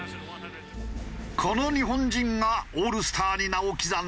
この日本人がオールスターに名を刻んだ。